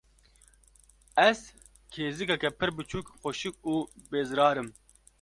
Ez kêzikeke pir biçûk, xweşik û bêzirar im.